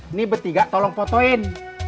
ini bertiga tolong fotoin